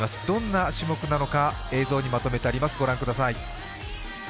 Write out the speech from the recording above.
どんな種目なのか映像でまとめてあります。